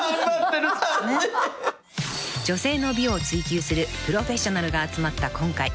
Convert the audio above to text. ［女性の美を追求するプロフェッショナルが集まった今回］